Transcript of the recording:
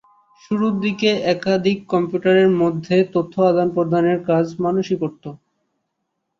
শুরুর দিকে একাধিক কম্পিউটারের মধ্যে তথ্য আদানপ্রদানের কাজ মানুষই করত।